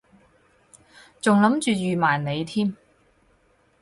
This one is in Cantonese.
仲諗住預埋你添